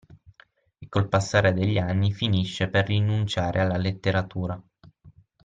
E col passare degli anni finisce per rinunciare alla letteratura.